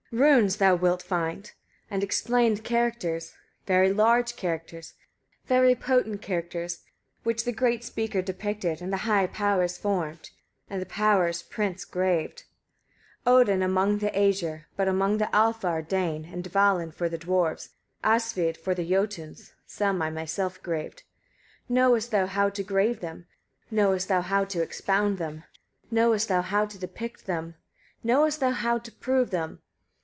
144. Runes thou wilt find, and explained characters, very large characters, very potent characters, which the great speaker depicted, and the high powers formed, and the powers' prince graved: 145. Odin among the Æsir, but among the Alfar, Dain, and Dvalin for the dwarfs, Asvid for the Jotuns: some I myself graved. 146. Knowest thou how to grave them? knowest thou how to expound them? knowest thou how to depict them? knowest thou how to prove them?